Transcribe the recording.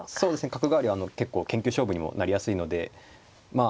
角換わりは結構研究勝負にもなりやすいのでまあ